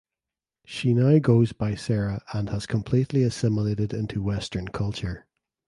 She now goes by Sarah and has completely assimilated into Western culture.